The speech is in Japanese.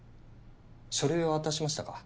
書類は渡しましたか？